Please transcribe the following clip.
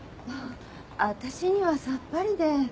私にはさっぱりで。